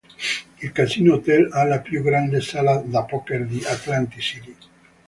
Il Casino Hotel ha la più grande sala da poker di Atlantic City.